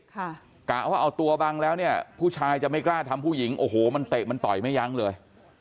กะว่าเอาตัวบังแล้วเนี่ยผู้ชายจะไม่กล้าทำผู้หญิงโอ้โหมันเตะมันต่อยไม่ยั้งเลย